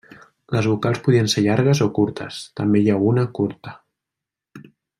Les vocals podien ser llargues o curtes; també hi ha una curta.